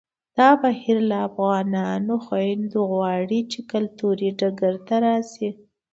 دا بهیر له افغانو خویندو غواړي چې کلتوري ډګر ته راشي